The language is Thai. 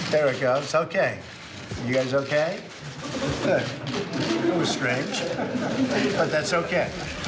แต่นั่นโอเค